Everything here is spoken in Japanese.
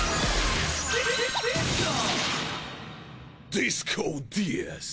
ディスコウディス！